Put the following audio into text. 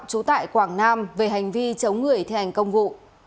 trú tại quảng nam về hành vi chống người thi hành công vụ